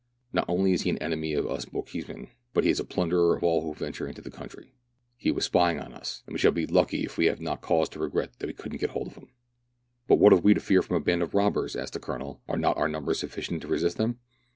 Not only is he an enemy of us Bochjesmen, but he is a plunderer of all who venture into the country ; he was spying us, and we shall be lucky THREE ENGLISHMEN AND THREE RUSSIANS. 129 if we have not cause to regret that we couldn't get hold ot him." " But what have we to fear from a band of robbers }" asked the Colonel ;" are not our numbers sufficient to resist them